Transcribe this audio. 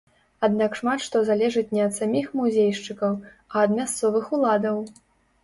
Аднак шмат што залежыць не ад саміх музейшчыкаў, а ад мясцовых уладаў.